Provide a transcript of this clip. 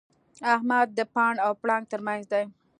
احمد د پاڼ او پړانګ تر منځ دی.